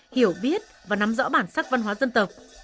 hiểu biết và nắm rõ bản sắc văn hóa dân tộc